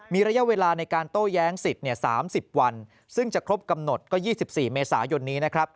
มีระยะเวลาในการโต้แย้งสิทธิ์๓๐วันซึ่งจะครบกำหนดก็๒๔เมษายนนี้นะครับ